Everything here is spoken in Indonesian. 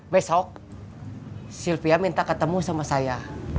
besok sylvia minta ketemu sama saya